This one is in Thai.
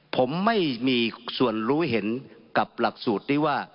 ผมไม่มีส่วนรู้เห็นกับหลักสูตรนี้ว่า